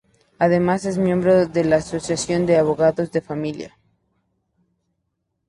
Además es miembro de la Asociación de Abogados de Familia.